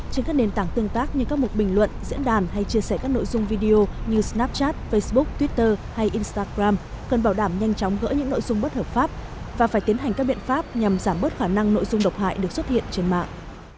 trên các nền tảng tương tác như các mục bình luận diễn đàn hay chia sẻ các nội dung video như snapchat facebook twitter hay instagram cần bảo đảm nhanh chóng gỡ những nội dung bất hợp pháp và phải tiến hành các biện pháp nhằm giảm bớt khả năng nội dung độc hại được xuất hiện trên mạng